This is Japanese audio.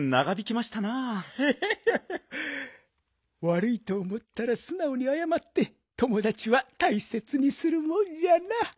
わるいとおもったらすなおにあやまってともだちはたいせつにするもんじゃな。